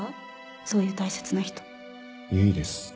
そういう大切な人唯です